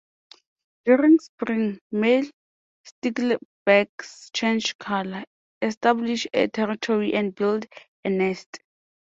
During spring, male sticklebacks change colour, establish a territory and build a nest.